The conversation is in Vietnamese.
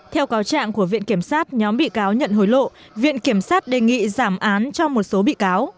theo cáo trạng của viện kiểm sát nhóm bị cáo nhận hối lộ viện kiểm sát đề nghị giảm án cho một số bị cáo